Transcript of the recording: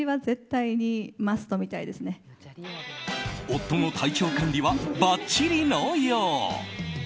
夫の体調管理はバッチリのよう。